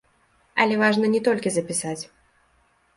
Але важна не толькі запісаць.